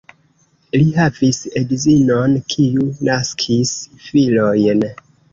Li havis edzinon, kiu naskis filojn.